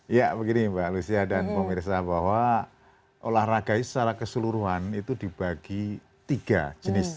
ya begini mbak lucia dan pemirsa bahwa olahraga secara keseluruhan itu dibagi tiga jenis